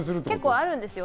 結構あるんですよ。